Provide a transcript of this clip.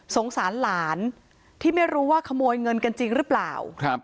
สารหลานที่ไม่รู้ว่าขโมยเงินกันจริงหรือเปล่า